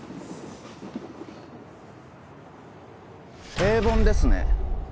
平凡ですね。